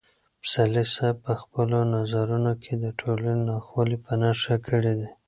پسرلي صاحب په خپلو طنزونو کې د ټولنې ناخوالې په نښه کړې دي.